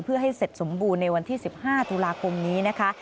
เพื่อให้เสร็จสมบูรณ์ในวันที่๑๕ตุลาคมนี้นะคะ